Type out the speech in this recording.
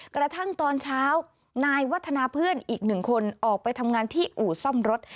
กระทั่งตอนเช้านายวัฒนาเพื่อนอีกหนึ่งคนออกไปทำงานที่อู่ซ่อมรถ